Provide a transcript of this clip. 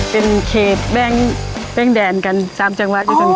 เป็นเขตแบ่งแดนกัน๓จังหวัด